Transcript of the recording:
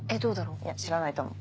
いや知らないと思う。